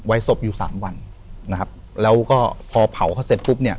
ศพอยู่สามวันนะครับแล้วก็พอเผาเขาเสร็จปุ๊บเนี่ย